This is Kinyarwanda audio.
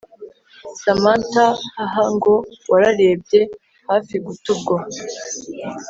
Samantha hhhhh ngo wararebye hafi gutubwo